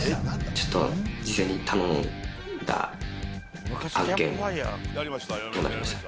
ちょっと、事前に頼んだ案件、どうなりました？